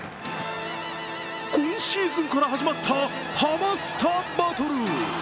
今シーズンから始まったハマスタバトル。